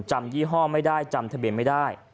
ยี่ห้อไม่ได้จำทะเบียนไม่ได้